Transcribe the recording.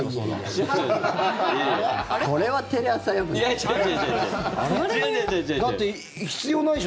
これはテレ朝、よくない。